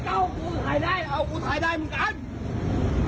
ร้อยเก้ากูถ่ายได้เอากูถ่ายได้เหมือนกัน